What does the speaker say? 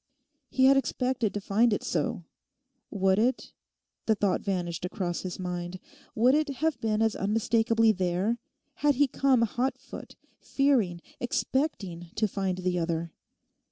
He had expected to find it so. Would it (the thought vanished across his mind) would it have been as unmistakably there had he come hot foot, fearing, expecting to find the other?